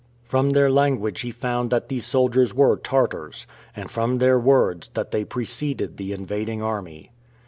From their language he found that these soldiers were Tartars, and from their words, that they preceded the invading army.